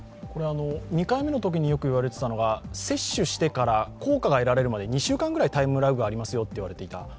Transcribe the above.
２回目のときによくいわれていたのが接種してから効果が出るまで２週間ぐらいタイムラグがありますよと言われていた。